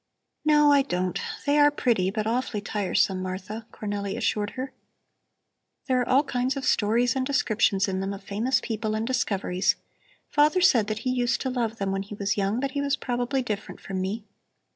"No, I don't. They are pretty, but awfully tiresome, Martha," Cornelli assured her. "There are all kinds of stories and descriptions in them of famous people and discoveries. Father said that he used to love them when he was young, but he was probably different from me.